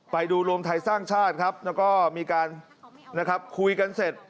ไปดูรวมไทยสร้างชาติครับแล้วก็มีการคุยกันเสร็จ